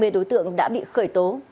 hai mươi đối tượng đã bị khởi tố